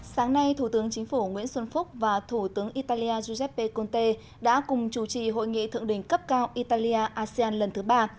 sáng nay thủ tướng chính phủ nguyễn xuân phúc và thủ tướng italia giuseppe conte đã cùng chủ trì hội nghị thượng đỉnh cấp cao italia asean lần thứ ba